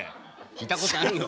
聞いたことある。